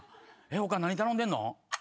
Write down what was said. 他何頼んでんの？